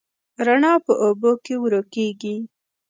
رڼا په اوبو کې ورو کېږي.